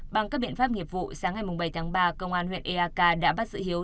bằng các biện pháp nghiệp vụ sáng ngày bảy tháng ba công an huyện eak đã bắt giữ hiếu